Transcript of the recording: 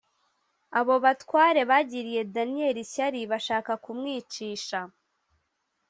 Abo batware bagiriye Daniyeli ishyari bashaka kumwicisha